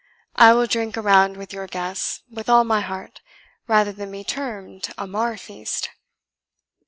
I will drink a round with your guests with all my heart, rather than be termed a mar feast."